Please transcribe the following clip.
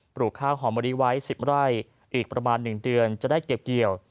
ลูกข้าวหอมมะลิไว้๑๐ไร่อีกประมาณ๑เดือนจะได้เก็บเกี่ยว